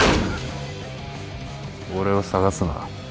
俺を捜すな。